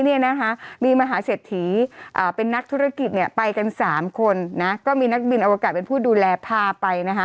อันนี้มีมหาเสถียะเป็นนักธุรกิจไปกันสามคนณมีนักบินที่เป็นผู้ดูแลพาไป